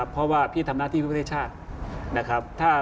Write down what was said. เพราะว่าพี่ทำละที่แวดอุติษฐศ